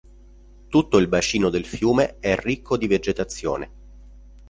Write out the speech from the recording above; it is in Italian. Tutto il bacino del fiume è ricco di vegetazione.